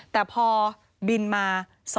แต่พอบินมา